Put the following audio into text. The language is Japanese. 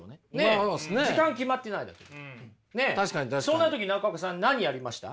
そんな時中岡さん何やりました？